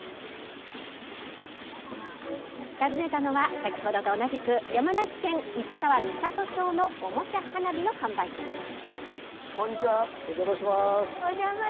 訪ねたのは先ほどと同じく山梨県市川三郷町のおもちゃ花火の販売店です。